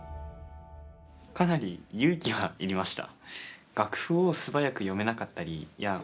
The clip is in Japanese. かなり勇気はいりました。